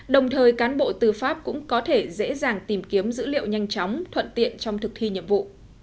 đồng thời cán bộ tư pháp cũng có thể dễ dàng tìm kiếm dữ liệu nhanh chóng thuận tiện trong thực thi nhiệm vụ